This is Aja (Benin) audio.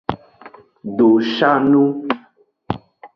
Doshanu.